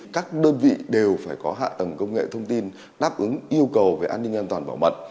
các đơn vị đều phải có hạ tầng công nghệ thông tin đáp ứng yêu cầu về an ninh an toàn bảo mật